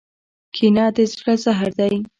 کینه د زړه زهر دی.